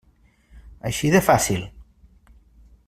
Així de fàcil.